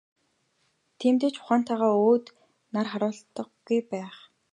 Тиймдээ ч ухаантайгаа өөд нар харуулдаггүй байх.